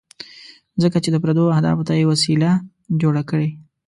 ځکه چې د پردو اهدافو ته یې وسیله جوړه کړې.